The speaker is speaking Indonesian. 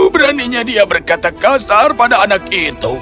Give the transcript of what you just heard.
beraninya dia berkata kasar pada anak itu